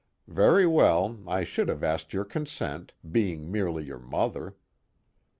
Very well, I should have asked your consent, being merely your mother.